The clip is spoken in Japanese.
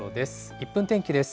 １分天気です。